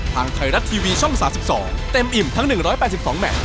ทางไทยรัฐทีวีช่อง๓๒เต็มอิ่มทั้ง๑๘๒แมท